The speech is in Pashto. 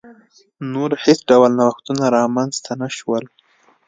نور هېڅ ډول نوښتونه رامنځته نه شول.